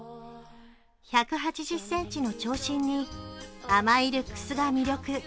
１８０ｃｍの長身に甘いルックスが魅力。